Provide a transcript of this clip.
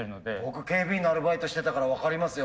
僕警備員のアルバイトしてたから分かりますよ。